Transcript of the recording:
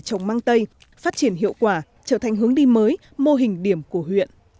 vườn măng tây phát triển hiệu quả trở thành hướng đi mới mô hình điểm của huyện